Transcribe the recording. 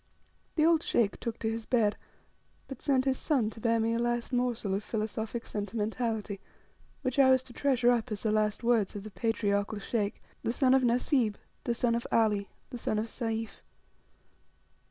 The old Sheikh took to his bed, but sent his son to bear me a last morsel of Philosophic sentimentality, which I was to treasure up as the last words of the patriarchal Sheikh, the son of Nasib, the son of Ali, the son of Sayf.